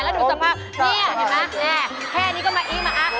แล้วหนูจะบอกว่านี่เห็นไหมแค่นี้ก็มาอีกมาอัก